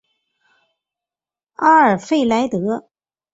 阿尔弗莱德？